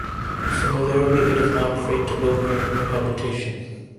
Similarly, it is not afraid to build near human habitation.